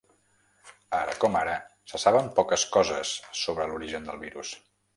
Ara com ara, se saben poques coses sobre l’origen del virus.